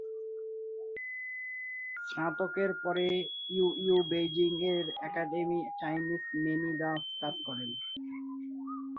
স্নাতকের পর Tu Youyou বেইজিং-এর academy of Chinese মেদিসিন-এ কাজ করেন।